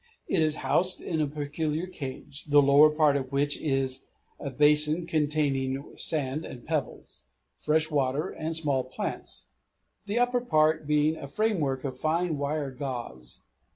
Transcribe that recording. It is housed in a peculiar cage, the lower part of which is a basin containing sand and pebbles, fresh water and small plants; the upper part being a framework of fine wire gauze.